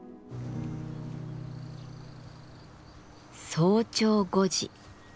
早朝５時。